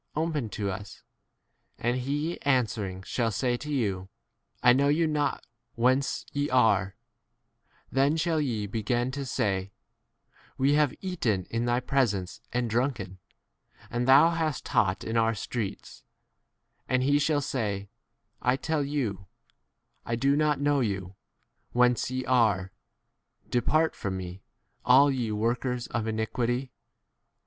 open to us ; and he answering shall say to you. I know you not whence ye are : 28 then shall ye begin to say, "We have eaten in thy presence and drunken, and thou hast taught in 27 our streets : and he shall say, I tell you, I do not know you whence ye are ; depart from me, all [ye] 28 workers of iniquity.